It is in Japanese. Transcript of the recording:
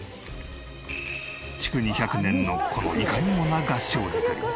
築２００年のこのいかにもな合掌造り。